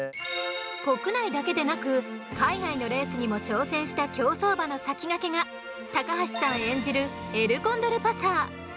国内だけではなく海外のレースにも挑戦した競走馬の先駆けが橋さん演じるエルコンドルパサー。